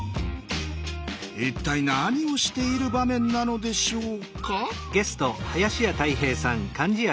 一体何をしている場面なのでしょうか？